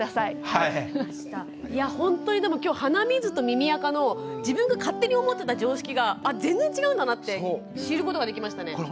いやほんとにでも今日鼻水と耳あかの自分が勝手に思ってた常識が全然違うんだなって知ることができましたね。